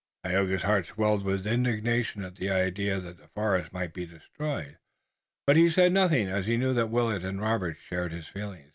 Tayoga's heart swelled with indignation at the idea that the forest might be destroyed, but he said nothing, as he knew that Willet and Robert shared his feeling.